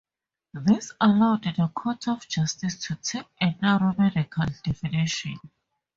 This allowed the Court of Justice to take a narrow medical definition.